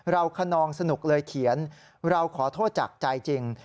คนนองสนุกเลยเขียนเราขอโทษจากใจจริง